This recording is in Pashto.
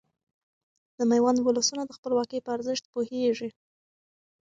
د ميوند ولسونه د خپلواکۍ په ارزښت پوهيږي .